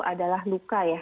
adalah luka ya